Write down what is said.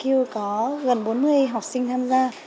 cơ lộ bộ nghệ thuật iq có gần bốn mươi học sinh tham gia